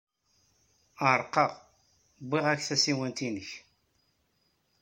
Ɛerqeɣ, uwyeɣ-ak tasiwant-nnek.